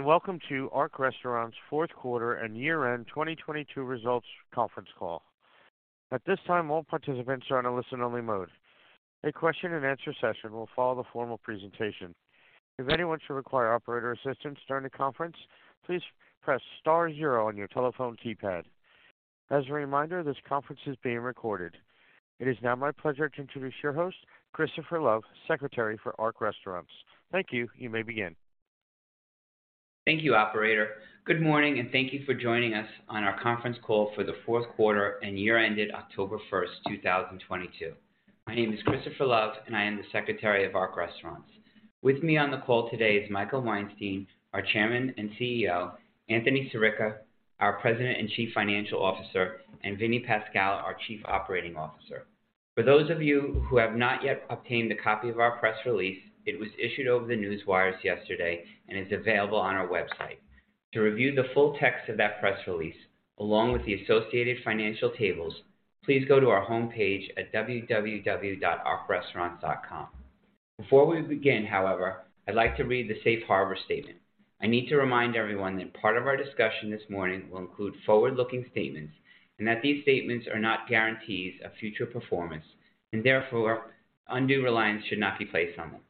Welcome to Ark Restaurants fourth quarter and year-end 2022 results conference call. At this time, all participants are on a listen-only mode. A question-and-answer session will follow the formal presentation. If anyone should require operator assistance during the conference, please press star zero on your telephone keypad. As a reminder, this conference is being recorded. It is now my pleasure to introduce your host, Christopher Love, Secretary for Ark Restaurants. Thank you. You may begin. Thank you, operator. Good morning, and thank you for joining us on our conference call for the fourth quarter and year ended October 1st, 2022. My name is Christopher Love, and I am the Secretary of Ark Restaurants. With me on the call today is Michael Weinstein, our Chairman and CEO, Anthony Sirica, our President and Chief Financial Officer, and Vincent Pascal, our Chief Operating Officer. For those of you who have not yet obtained a copy of our press release, it was issued over the Newswires yesterday and is available on our website. To review the full text of that press release along with the associated financial tables, please go to our homepage at www.arkrestaurants.com. Before we begin, however, I'd like to read the Safe Harbor statement. I need to remind everyone that part of our discussion this morning will include forward-looking statements and that these statements are not guarantees of future performance and therefore undue reliance should not be placed on them.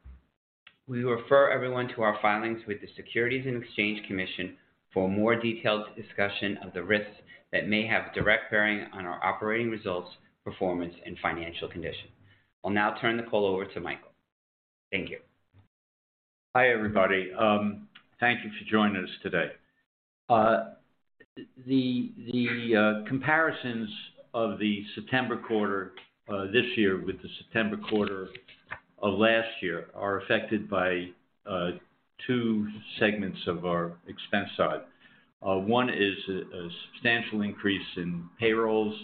We refer everyone to our filings with the Securities and Exchange Commission for a more detailed discussion of the risks that may have direct bearing on our operating results, performance, and financial condition. I'll now turn the call over to Michael. Thank you. Hi, everybody. Thank you for joining us today. The comparisons of the September quarter this year with the September quarter of last year are affected by two segments of our expense side. One is a substantial increase in payrolls,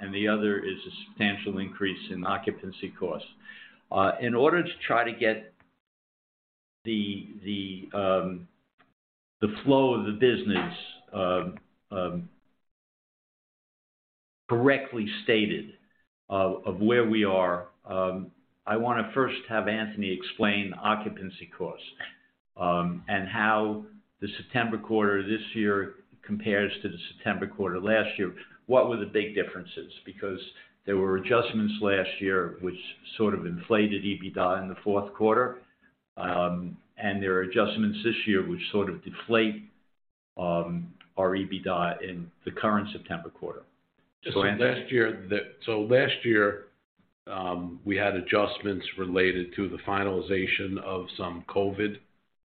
and the other is a substantial increase in occupancy costs. In order to try to get the flow of the business correctly stated of where we are, I wanna first have Anthony explain occupancy costs and how the September quarter this year compares to the September quarter last year. What were the big differences? There were adjustments last year which sort of inflated EBITDA in the fourth quarter, and there are adjustments this year which sort of deflate our EBITDA in the current September quarter. Anthony. Last year, we had adjustments related to the finalization of some COVID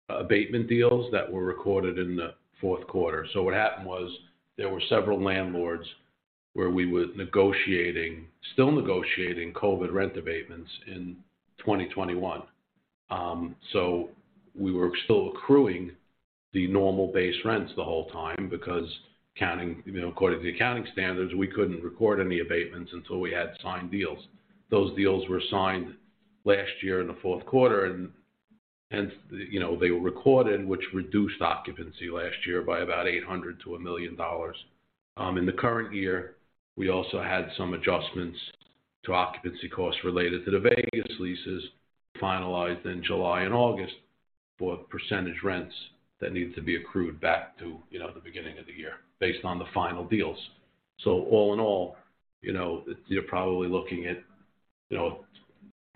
abatement deals that were recorded in the fourth quarter. What happened was there were several landlords where we were negotiating, still negotiating COVID rent abatements in 2021. We were still accruing the normal base rents the whole time because accounting, you know, according to the accounting standards, we couldn't record any abatements until we had signed deals. Those deals were signed last year in the fourth quarter, and, you know, they were recorded, which reduced occupancy last year by about $800,000-$1 million. In the current year, we also had some adjustments to occupancy costs related to the Vegas leases finalized in July and August for percentage rents that needed to be accrued back to, you know, the beginning of the year based on the final deals. All in all, you know, you're probably looking at, you know,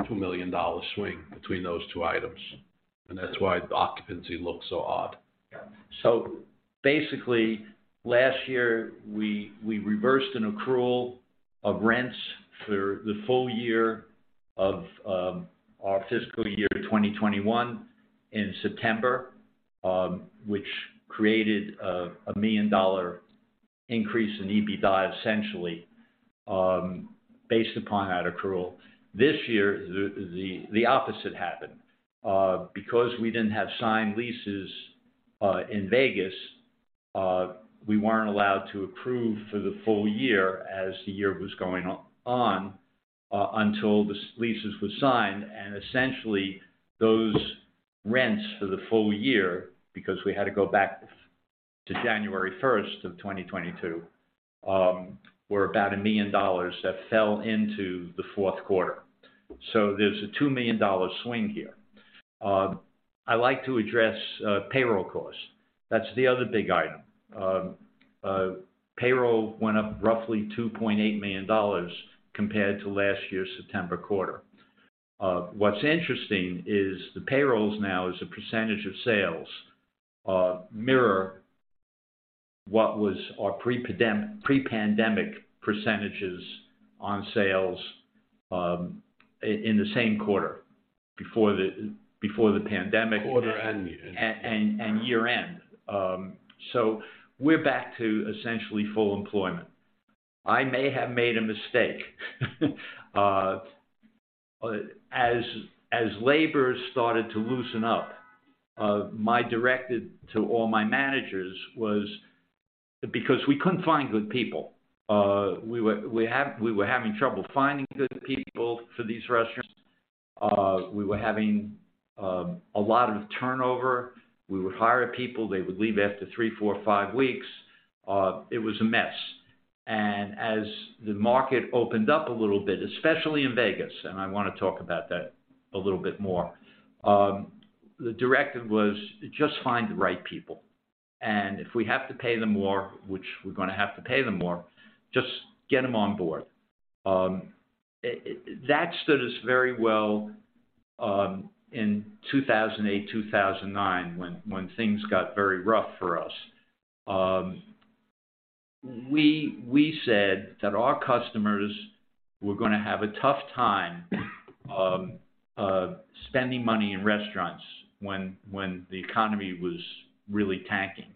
$2 million swing between those two items, and that's why the occupancy looks so odd. Basically, last year, we reversed an accrual of rents for the full year of our fiscal year 2021 in September, which created a $1 million increase in EBITDA, essentially, based upon that accrual. This year, the opposite happened. Because we didn't have signed leases in Vegas, we weren't allowed to accrue for the full year as the year was going on until the leases were signed. Essentially, those rents for the full year, because we had to go back to January 1st, 2022, were about $1 million that fell into the fourth quarter. There's a $2 million swing here. I like to address payroll costs. That's the other big item. Payroll went up roughly $2.8 million compared to last year's September quarter. What's interesting is the payrolls now, as a percentage of sales, mirror what was our pre-pandemic percentages on sales, in the same quarter before the pandemic. Quarter and year. Year-end. We're back to essentially full employment. I may have made a mistake. As labor started to loosen up, my directive to all my managers was because we couldn't find good people, we were having trouble finding good people for these restaurants. We were having a lot of turnover. We would hire people, they would leave after three, four, five weeks. It was a mess. As the market opened up a little bit, especially in Vegas, and I wanna talk about that a little bit more, the directive was just find the right people. If we have to pay them more, which we're gonna have to pay them more, just get them on board. That stood us very well in 2008, 2009 when things got very rough for us. We said that our customers were gonna have a tough time spending money in restaurants when the economy was really tanking.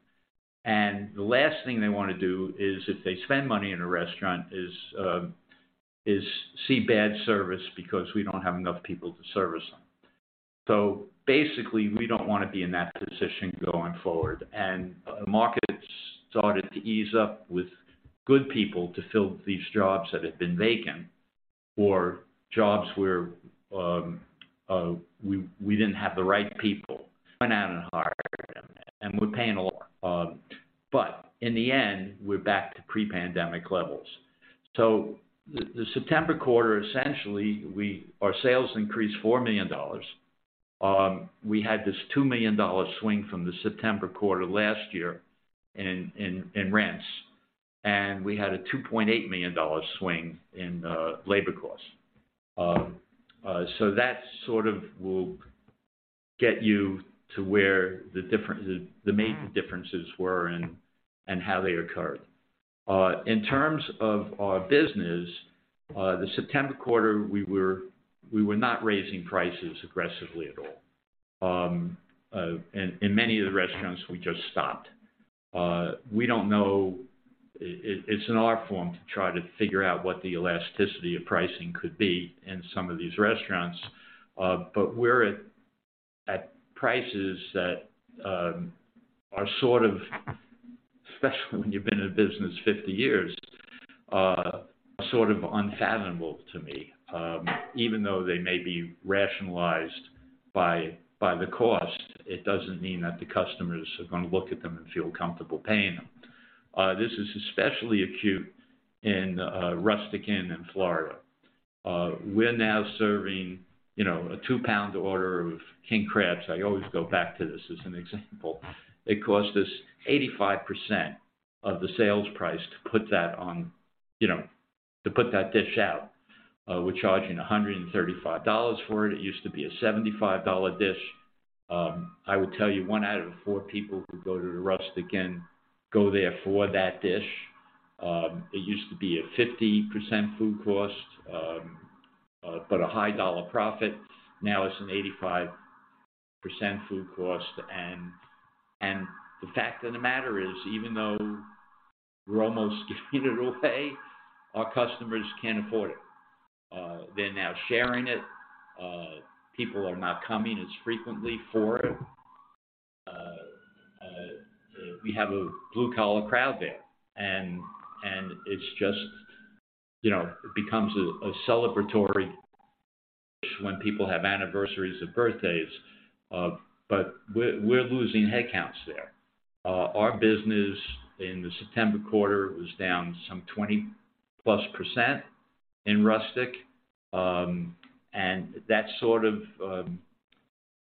The last thing they wanna do is if they spend money in a restaurant is see bad service because we don't have enough people to service them. Basically, we don't wanna be in that position going forward. Markets started to ease up with good people to fill these jobs that had been vacant or jobs where we didn't have the right people. Went out and hired them, and we're paying a lot. In the end, we're back to pre-pandemic levels. The September quarter, essentially, our sales increased $4 million. We had this $2 million swing from the September quarter last year in rents, and we had a $2.8 million swing in labor costs. That sort of will get you to where the differences, the main differences were and how they occurred. In terms of our business, the September quarter, we were not raising prices aggressively at all. In many of the restaurants, we just stopped. It's an art form to try to figure out what the elasticity of pricing could be in some of these restaurants. But we're at prices that are sort of, especially when you've been in business 50 years, are sort of unfathomable to me. Even though they may be rationalized by the cost, it doesn't mean that the customers are gonna look at them and feel comfortable paying them. This is especially acute in Rustic Inn in Florida. We're now serving, you know, a two-pound order of king crabs. I always go back to this as an example. It costs us 85% of the sales price to put that on, you know, to put that dish out. We're charging $135 for it. It used to be a $75 dish. I would tell you one out of four people who go to the Rustic Inn go there for that dish. It used to be a 50% food cost, but a high dollar profit. Now it's an 85% food cost. The fact of the matter is, even though we're almost giving it away, our customers can't afford it. They're now sharing it. People are not coming as frequently for it. We have a blue-collar crowd there. It's just, you know, it becomes a celebratory when people have anniversaries or birthdays, but we're losing headcounts there. Our business in the September quarter was down some 20%+ in Rustic. and that sort of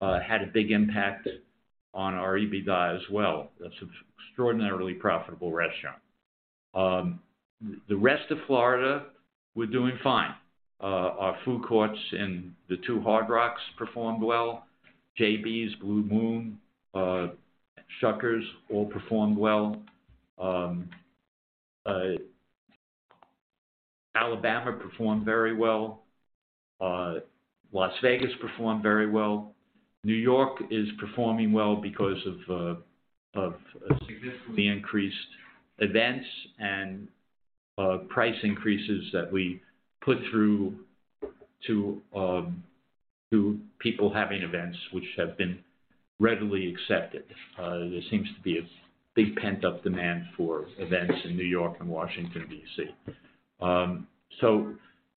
had a big impact on our EBITDA as well. That's an extraordinarily profitable restaurant. The rest of Florida, we're doing fine. Our food courts and the two Hard Rocks performed well. JB's, Blue Moon, Shuckers all performed well. Alabama performed very well. Las Vegas performed very well. New York is performing well because of significantly increased events and price increases that we put through to people having events which have been readily accepted. There seems to be a big pent-up demand for events in New York and Washington, D.C.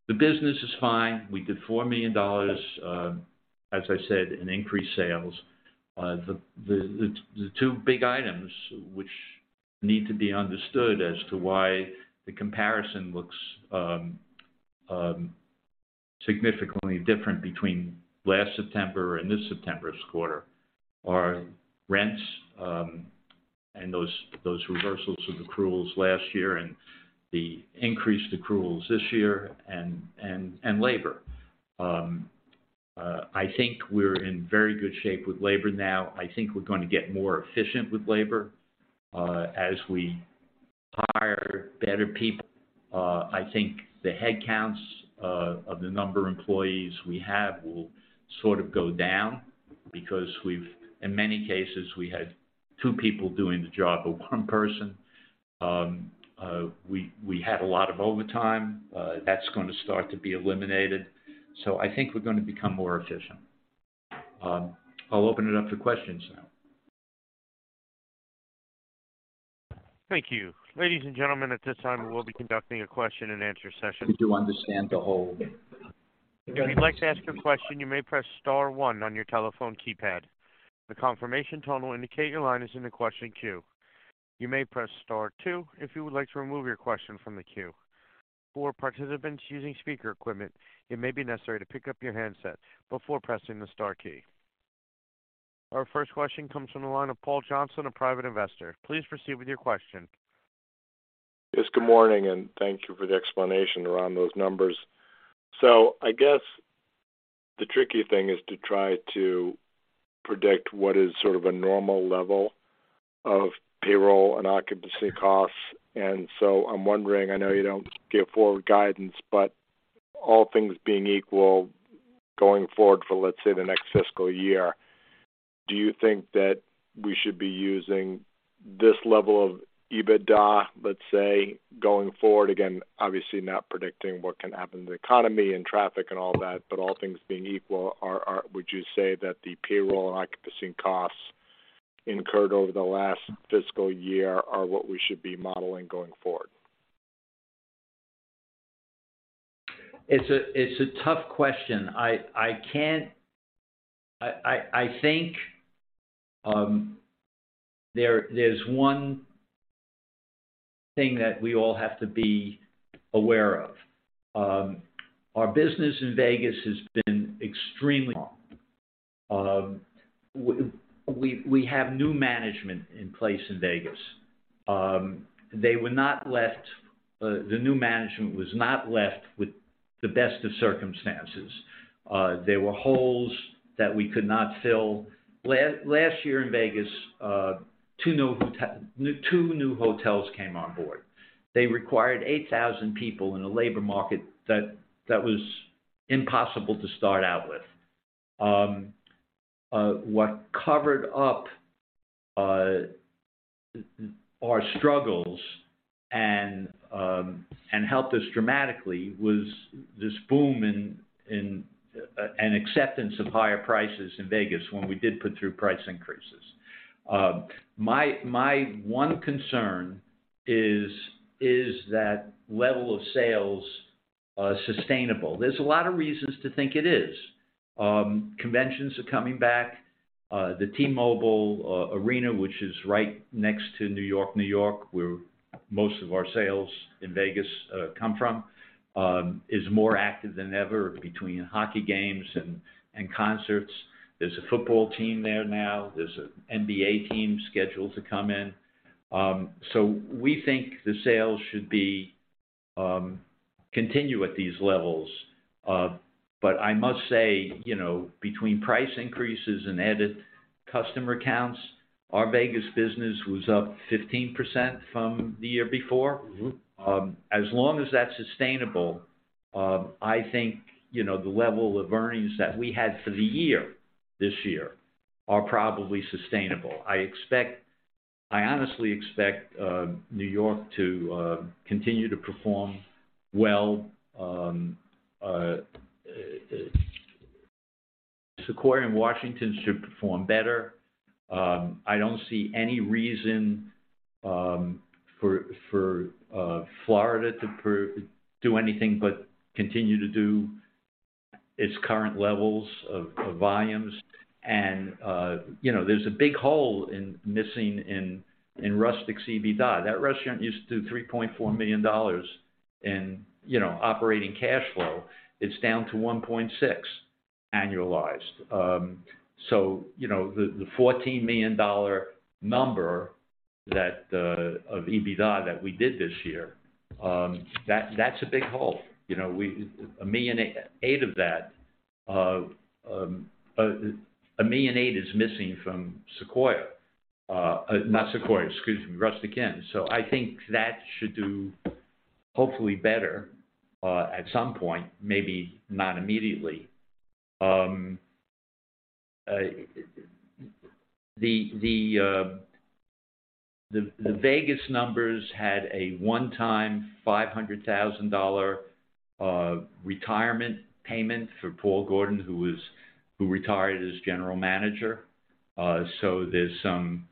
The business is fine. We did $4 million, as I said, in increased sales. The two big items which need to be understood as to why the comparison looks significantly different between last September and this September's quarter are rents and those reversals of accruals last year and the increased accruals this year, and labor. I think we're in very good shape with labor now. I think we're gonna get more efficient with labor as we hire better people. I think the headcounts of the number employees we have will sort of go down because in many cases, we had two people doing the job of one person. We had a lot of overtime. That's gonna start to be eliminated. I think we're gonna become more efficient. I'll open it up to questions now. Thank you. Ladies and gentlemen, at this time, we'll be conducting a question and answer session. I think you understand the whole. If you'd like to ask you a question, you may press star one on your telephone keypad. The confirmation tone will indicate your line is in the question queue. You may press star two if you would like to remove your question from the queue. For participants using speaker equipment, it may be necessary to pick up your handset before pressing the star key. Our first question comes from the line of Paul Johnson, a private investor. Please proceed with your question. Good morning, thank you for the explanation around those numbers. I guess the tricky thing is to try to predict what is sort of a normal level of payroll and occupancy costs. I'm wondering, I know you don't give forward guidance, but all things being equal going forward for, let's say, the next fiscal year, do you think that we should be using this level of EBITDA, let's say, going forward? Again, obviously not predicting what can happen in the economy and traffic and all that, but all things being equal, are would you say that the payroll and occupancy costs incurred over the last fiscal year are what we should be modeling going forward? It's a tough question. I can't. I think there's one thing that we all have to be aware of. Our business in Vegas has been extremely. We have new management in place in Vegas. They were not left, the new management was not left with the best of circumstances. There were holes that we could not fill. Last year in Vegas, two new hotels came on board. They required 8,000 people in a labor market that was impossible to start out with. What covered up our struggles and helped us dramatically was this boom in an acceptance of higher prices in Vegas when we did put through price increases. My one concern is that level of sales sustainable? There's a lot of reasons to think it is. Conventions are coming back. The T-Mobile Arena, which is right next to New York. New York, where most of our sales in Vegas, come from, is more active than ever between hockey games and concerts. There's a football team there now. There's an NBA team scheduled to come in. We think the sales should be, continue at these levels. I must say, you know, between price increases and added customer counts, our Vegas business was up 15% from the year before. Mm-hmm. As long as that's sustainable, I think, you know, the level of earnings that we had for the year, this year, are probably sustainable. I honestly expect New York to continue to perform well. Sequoia in Washington should perform better. I don't see any reason for Florida to do anything but continue to do its current levels of volumes. You know, there's a big hole missing in Rustic's EBITDA. That restaurant used to do $3.4 million in, you know, operating cash flow. It's down to $1.6 million annualized. You know, the $14 million number of EBITDA that we did this year, that's a big hole. You know, $1.8 million of that is missing from Sequoia. Not Sequoia, excuse me, Rustic Inn. I think that should do hopefully better at some point, maybe not immediately. The Vegas numbers had a one-time $500,000 retirement payment for Paul Gordon, who retired as general manager. There's some,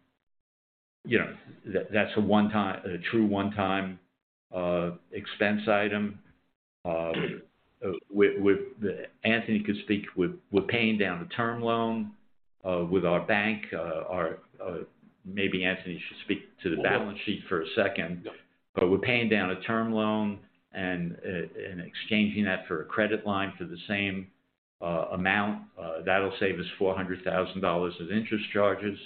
you know, that's a true one-time expense item. Anthony could speak with paying down the term loan with our bank. Maybe Anthony should speak to the balance sheet for a second. Yeah. We're paying down a term loan and exchanging that for a credit line for the same amount. That'll save us $400,000 in interest charges.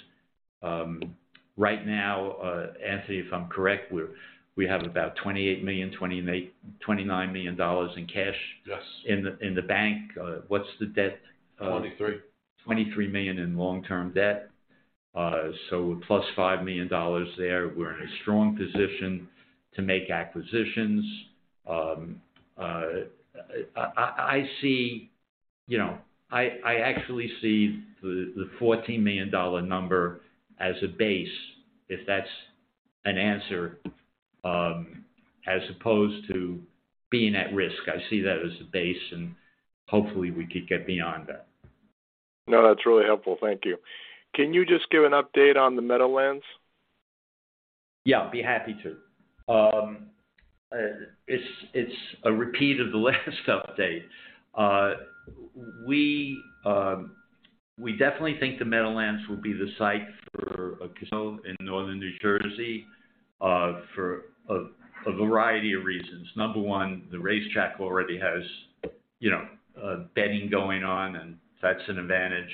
Right now, Anthony, if I'm correct, we have about $28 million-$29 million in cash... Yes. in the bank. What's the debt? $23 million. $23 million in long-term debt. Plus $5 million there. We're in a strong position to make acquisitions. I see, you know, I actually see the $14 million number as a base, if that's an answer, as opposed to being at risk. I see that as a base. Hopefully we could get beyond that. No, that's really helpful. Thank you. Can you just give an update on the Meadowlands? Yeah, I'd be happy to. It's a repeat of the last update. We definitely think the Meadowlands will be the site for a casino in northern New Jersey for a variety of reasons. Number one, the racetrack already has, you know, betting going on, and that's an advantage.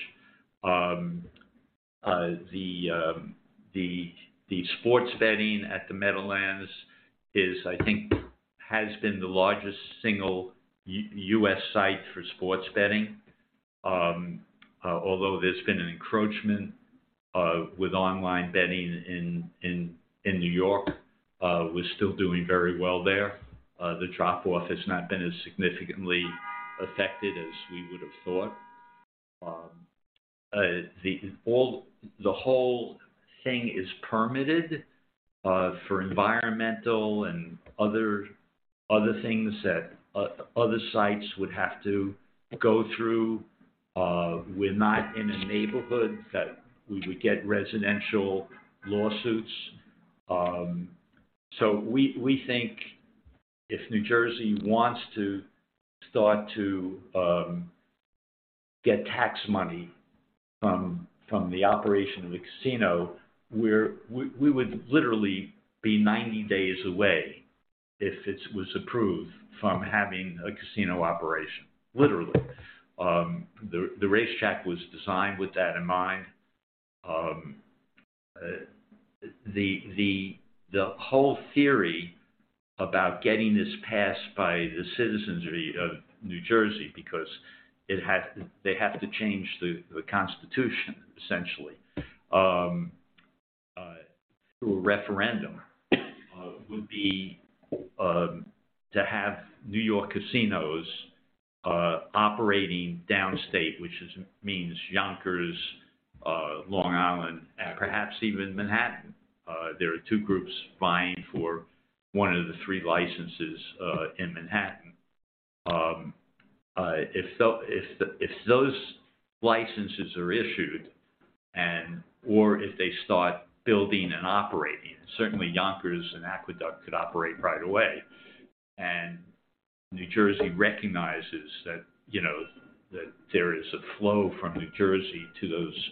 The sports betting at the Meadowlands is, I think, has been the largest single U.S. site for sports betting. Although there's been an encroachment with online betting in New York, we're still doing very well there. The drop-off has not been as significantly affected as we would've thought. The whole thing is permitted for environmental and other things that other sites would have to go through. We're not in a neighborhood that we would get residential lawsuits. We think if New Jersey wants to start to get tax money from the operation of the casino, We would literally be 90 days away if it was approved from having a casino operation, literally. The racetrack was designed with that in mind. The whole theory about getting this passed by the citizens of New Jersey, because they have to change the constitution, essentially, through a referendum, would be to have New York casinos operating downstate, means Yonkers, Long Island, and perhaps even Manhattan. There are two groups vying for one of the three licenses in Manhattan. If those licenses are issued and, or if they start building and operating, certainly Yonkers and Aqueduct could operate right away. New Jersey recognizes that, you know, that there is a flow from New Jersey to those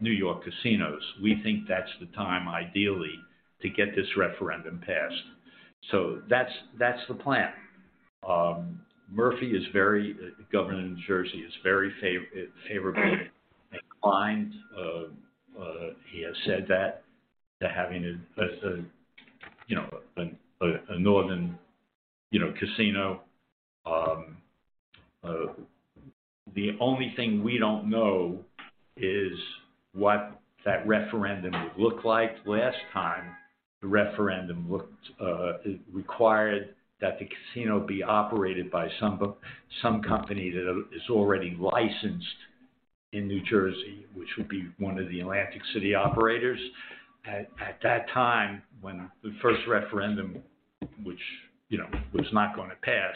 New York casinos. We think that's the time, ideally, to get this referendum passed. That's, that's the plan. Murphy is very, the governor of New Jersey, is very favorable and inclined. He has said that to having a northern, you know, casino. The only thing we don't know is what that referendum would look like. Last time, the referendum looked, it required that the casino be operated by some company that is already licensed in New Jersey, which would be one of the Atlantic City operators. At that time, when the first referendum, which, you know, was not gonna pass,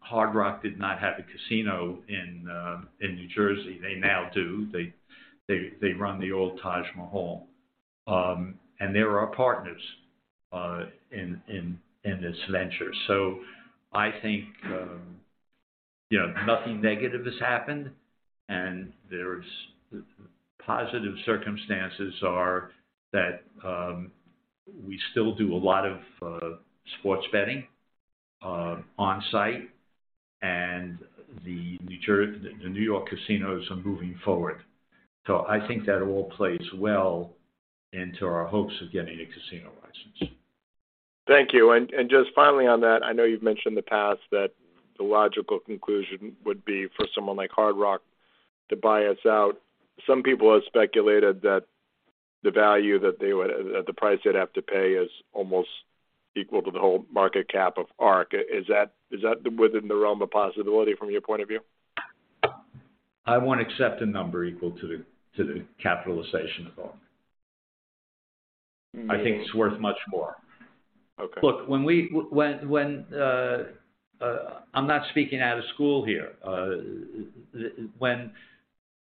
Hard Rock did not have a casino in New Jersey. They now do. They run the old Taj Mahal. They're our partners in this venture. I think, you know, nothing negative has happened. And there's, the positive circumstances are that, we still do a lot of sports betting on-site. The New York casinos are moving forward. I think that all plays well into our hopes of getting a casino license. Thank you. Just finally on that, I know you've mentioned in the past that the logical conclusion would be for someone like Hard Rock to buy us out. Some people have speculated that the price they'd have to pay is almost equal to the whole market cap of Ark. Is that within the realm of possibility from your point of view? I won't accept a number equal to the capitalization of Ark. Mm-hmm. I think it's worth much more. Okay. Look, when we when I'm not speaking out of school here.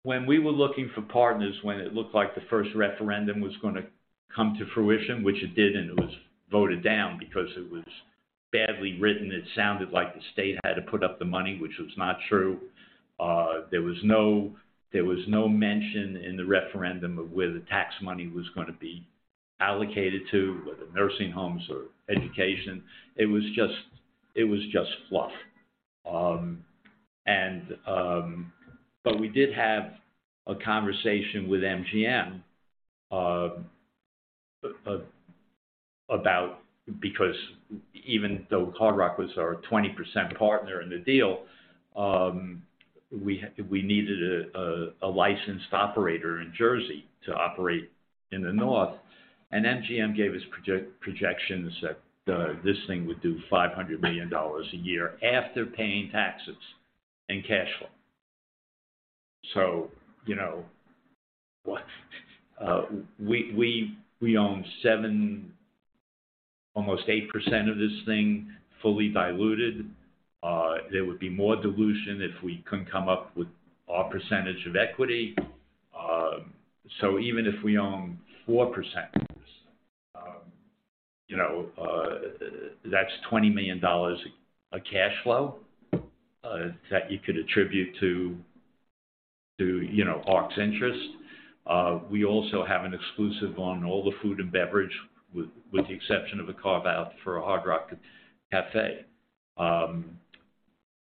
when we were looking for partners, when it looked like the first referendum was gonna come to fruition, which it did, and it was voted down because it was badly written. It sounded like the state had to put up the money, which was not true. There was no, there was no mention in the referendum of where the tax money was gonna be allocated to, whether nursing homes or education. It was just, it was just fluff. We did have a conversation with MGM about because even though Hard Rock was our 20% partner in the deal, we needed a licensed operator in Jersey to operate in the north. MGM gave us projections that the, this thing would do $500 million a year after paying taxes and cash flow. You know, what, we own 7%, almost 8% of this thing fully diluted. There would be more dilution if we couldn't come up with our percentage of equity. Even if we own 4% of this, you know, that's $20 million of a cash flow, that you could attribute to, you know, Ark's interest. We also have an exclusive on all the food and beverage with the exception of a carve-out for a Hard Rock Cafe.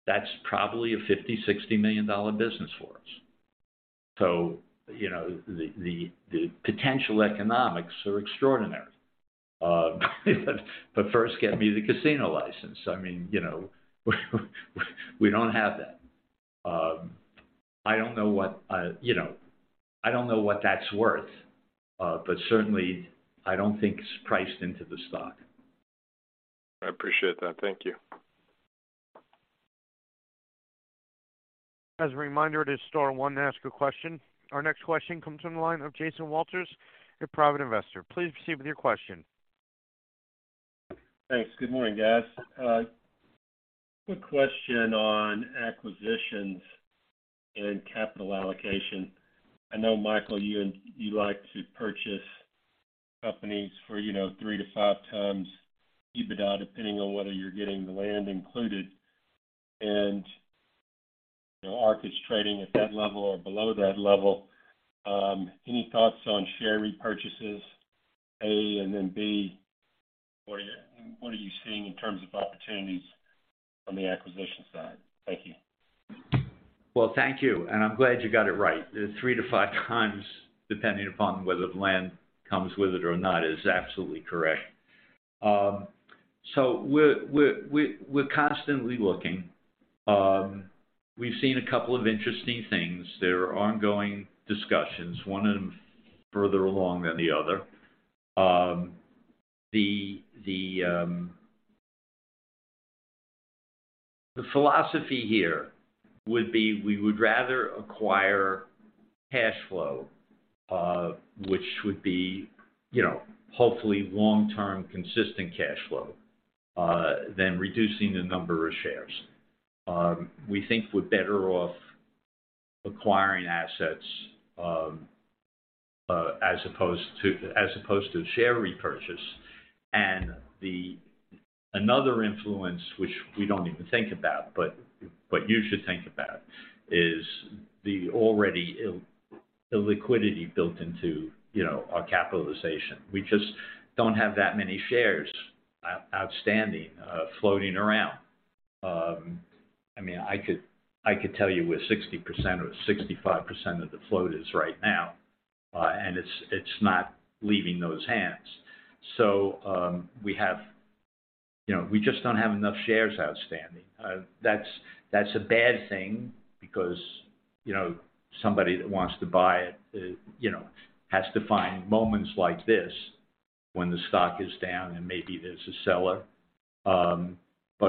That's probably a $50 million-$60 million business for us. You know, the potential economics are extraordinary. First get me the casino license. I mean, you know, we don't have that. I don't know what, you know, I don't know what that's worth, certainly I don't think it's priced into the stock. I appreciate that. Thank you. As a reminder, to star one to ask a question. Our next question comes from the line of Jason Walters at Private Investor. Please proceed with your question. Thanks. Good morning, guys. Quick question on acquisitions and capital allocation. I know, Michael, you like to purchase companies for, you know, 3-5x EBITDA, depending on whether you're getting the land included. You know, Ark is trading at that level or below that level. Any thoughts on share repurchases, A, and then, B, what are you seeing in terms of opportunities on the acquisition side? Thank you. Well, thank you. I'm glad you got it right. The 3-5x, depending upon whether the land comes with it or not is absolutely correct. We're constantly looking. We've seen a couple of interesting things. There are ongoing discussions, one of them further along than the other. The philosophy here would be, we would rather acquire cash flow, which would be, you know, hopefully long-term consistent cash flow, than reducing the number of shares. We think we're better off acquiring assets, as opposed to share repurchase. Another influence, which we don't even think about, but you should think about, is the already illiquidity built into, you know, our capitalization. We just don't have that many shares outstanding, floating around. I mean, I could tell you where 60% or 65% of the float is right now, it's not leaving those hands. We just don't have enough shares outstanding. That's a bad thing because, you know, somebody that wants to buy it, you know, has to find moments like this when the stock is down and maybe there's a seller.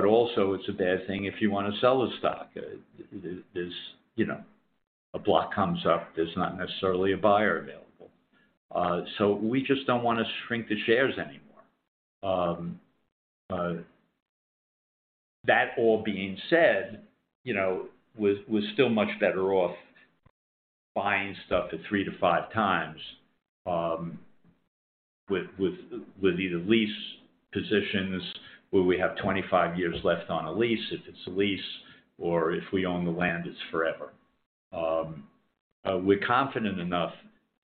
Also it's a bad thing if you wanna sell the stock. There's, you know, a block comes up, there's not necessarily a buyer available. We just don't wanna shrink the shares anymore. that all being said, you know, we're still much better off buying stuff at 3-5x, with either lease positions where we have 25 years left on a lease if it's a lease or if we own the land, it's forever. we're confident enough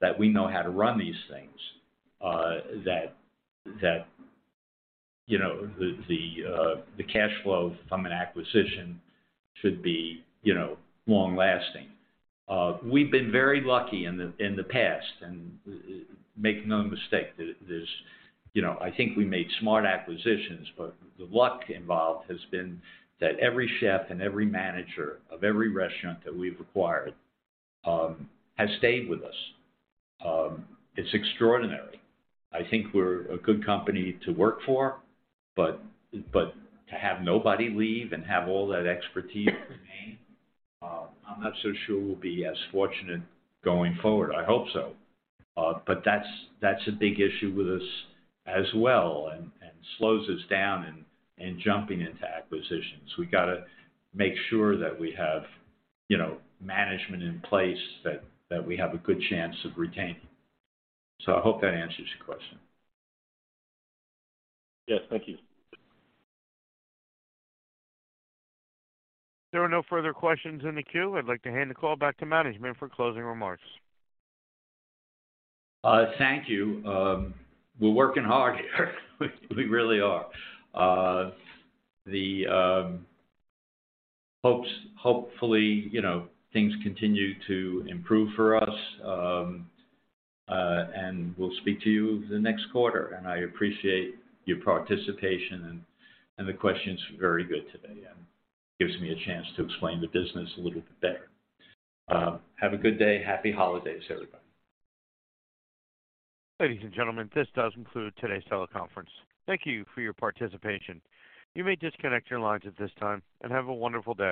that we know how to run these things, that, you know, the cash flow from an acquisition should be, you know, long-lasting. we've been very lucky in the past. Make no mistake, there's, you know, I think we made smart acquisitions, but the luck involved has been that every chef and every manager of every restaurant that we've acquired, has stayed with us. It's extraordinary. I think we're a good company to work for, but to have nobody leave and have all that expertise remain, I'm not so sure we'll be as fortunate going forward. I hope so. That's a big issue with us as well and slows us down in jumping into acquisitions. We gotta make sure that we have, you know, management in place that we have a good chance of retaining. I hope that answers your question. Yes. Thank you. If there are no further questions in the queue, I'd like to hand the call back to management for closing remarks. Thank you. We're working hard here. We really are. Hopefully, you know, things continue to improve for us. We'll speak to you the next quarter. I appreciate your participation, and the questions were very good today, and gives me a chance to explain the business a little bit better. Have a good day. Happy holidays, everybody. Ladies and gentlemen, this does conclude today's teleconference. Thank you for your participation. You may disconnect your lines at this time, and have a wonderful day.